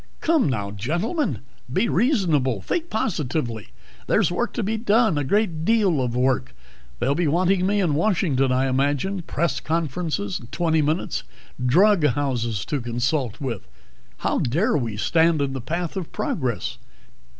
"Come, now, gentlemen, be reasonable. Think positively! There's work to be done, a great deal of work. They'll be wanting me in Washington, I imagine. Press conference in twenty minutes. Drug houses to consult with. How dare we stand in the path of Progress?